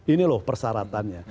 ini loh persyaratannya